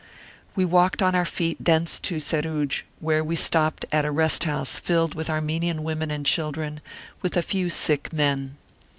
We walked on our feet thence to Seruj, where we stopped at a khan [rest house] filled with Ar menian women and children, with a few sick men.